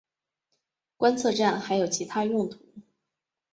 观测站还有其它用途。